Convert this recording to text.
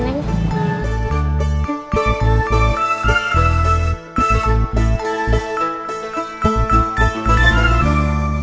kok mau lagi ya neng